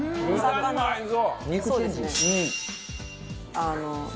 あの。